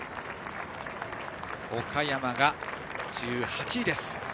岡山が１８位です。